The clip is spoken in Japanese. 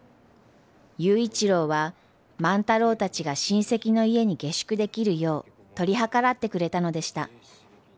佑一郎は万太郎たちが親戚の家に下宿できるよう取り計らってくれたのでした。